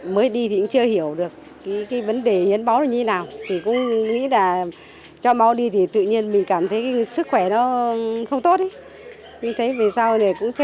mà có một sự sống